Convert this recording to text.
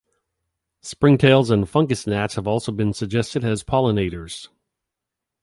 Springtails and fungus gnats have also been suggested as pollinators.